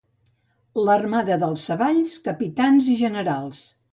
L'armada dels Savalls: capitans i generals.